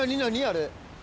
あれ。